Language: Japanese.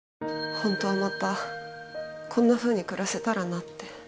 ホントはまたこんなふうに暮らせたらなって